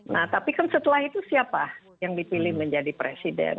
nah tapi kan setelah itu siapa yang dipilih menjadi presiden